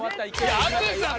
淳さん